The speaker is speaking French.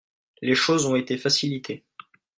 Les choses ont été facilitées.